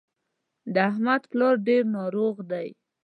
د احمد پلار ډېر ناروغ دی